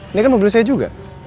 ini kan mobil saya juga